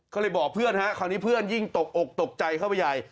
ก็เลยบอกเพื่อนฮะคราวนี้เพื่อนยิ่งตกอกตกใจเข้าไปใหญ่